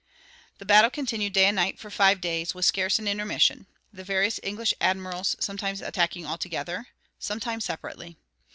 The battle continued day and night for five days, with scarce an intermission, the various English admirals sometimes attacking all together, sometimes separately.